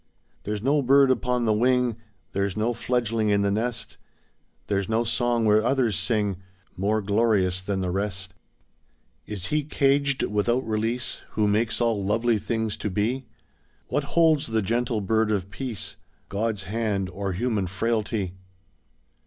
There's no bird upon the wing, There's no fledgeling in the nest, There's no song where others sing More glorious than the rest. Is he caged without release Who makes all lovely things to be? What holds the gentle bird of Peace, God's hand, or human frailty?